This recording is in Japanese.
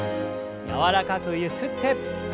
柔らかくゆすって。